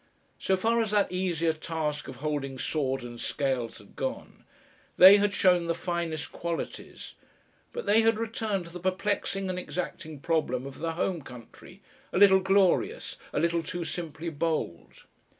So far as that easier task of holding sword and scales had gone, they had shown the finest qualities, but they had returned to the perplexing and exacting problem of the home country, a little glorious, a little too simply bold.